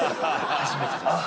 初めてです。